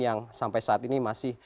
yang sampai saat ini masih